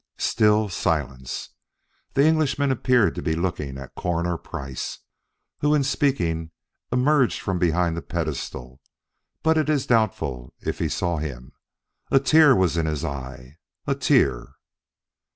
Still silence. The Englishman appeared to be looking at Coroner Price, who in speaking emerged from behind the pedestal; but it is doubtful if he saw him. A tear was in his eye a tear!